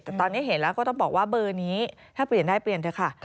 แต่ตอนนี้เห็นแล้วก็ต้องบอกว่าเบอร์นี้ถ้าเปลี่ยนได้เปลี่ยนเถอะค่ะ